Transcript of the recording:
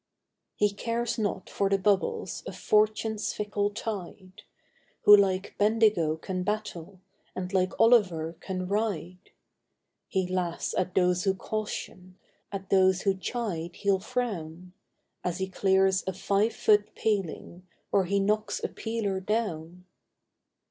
He cares not for the bubbles of Fortune's fickle tide, Who like Bendigo can battle, and like Olliver can ride. He laughs at those who caution, at those who chide he'll frown, As he clears a five foot paling, or he knocks a peeler down.